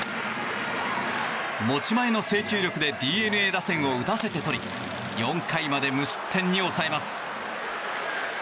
持ち前の制球力でＤｅＮＡ打線を打たせてとり４回まで無失点に抑えます。